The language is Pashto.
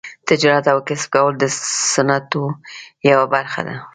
تجارت او کسب کول د سنتو یوه برخه ده.